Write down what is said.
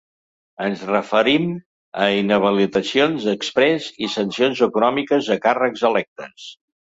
Ens referim a inhabilitacions exprés i sancions econòmiques a càrrecs electes.